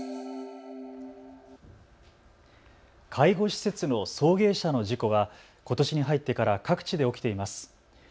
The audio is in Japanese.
介護施設の送迎車の事故はことしに入ってから各地で起きています。